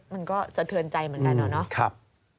มันก็สะเทินใจเหมือนกันเนอะเนอะนะครับ